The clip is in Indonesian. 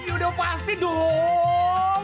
iya udah pasti dong